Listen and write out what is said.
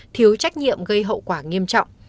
thiếu trách nhiệm gây hậu quả nghiêm trọng